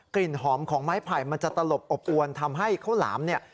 กลิ่นหอมของไม้ไผ่มันจะตลบอบอวนทำให้ข้าวหลามเนี่ย